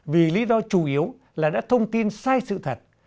vì lý do chủ yếu là đã thông tin sai sự thật